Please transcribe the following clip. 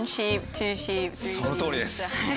そのとおりです。